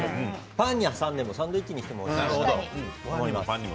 パンに挟んでサンドイッチにしてもいいと思います。